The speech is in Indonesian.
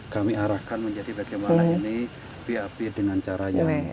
kami arahkan bagaimana ini biapir dengan caranya